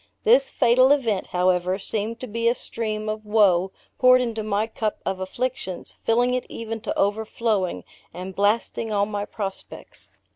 This fatal event, however, seemed to be a stream of woe poured into my cup of afflictions, filling it even to overflowing, and blasting all my prospects.